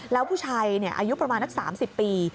แล้วผู้ชายอายุประมาณนัก๓๐ปี